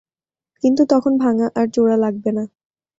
কিন্তু তখন ভাঙা আর জোড়া লাগবে না।